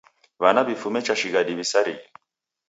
W'ana w'ifume cha shighadi w'isarighe.